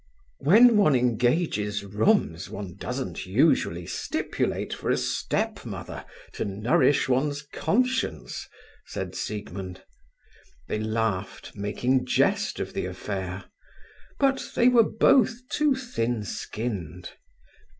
"When one engages rooms one doesn't usually stipulate for a stepmother to nourish one's conscience," said Siegmund. They laughed, making jest of the affair; but they were both too thin skinned.